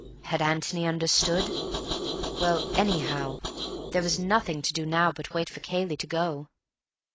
Had Antony understood? Well, anyhow, there was nothing to do now but wait for Cayley to go.